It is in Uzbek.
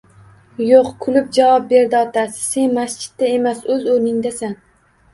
Yo`q, kulib javob berdi otasi, sen masjidda emas, o`z o`rningdasan